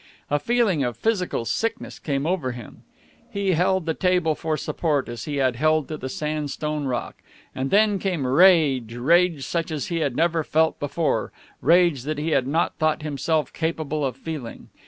A feeling of physical sickness came over him. He held to the table for support as he had held to the sandstone rock. And then came rage, rage such as he had never felt before, rage that he had not thought himself capable of feeling.